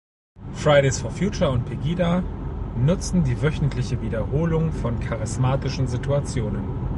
Fridays for Future und Pegida nutzen „die wöchentliche Wiederholung von charismatischen Situationen“.